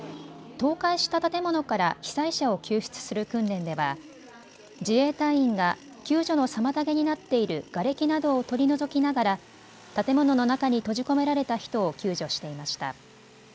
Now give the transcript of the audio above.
倒壊した建物から被災者を救出する訓練では自衛隊員が救助の妨げになっているがれきなどを取り除きながら建物の中に閉じ込められた人を救助していました。